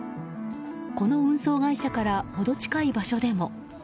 この運送会社からほど近い場所でも。